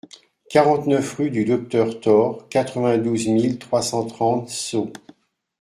quarante-neuf rue du Docteur Thore, quatre-vingt-douze mille trois cent trente Sceaux